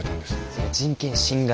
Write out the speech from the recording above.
それ人権侵害。